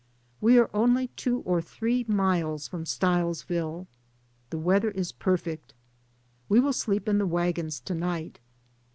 We are only two or three miles from Stilesville. The weather is perfect; we will sleep in the wagons to night.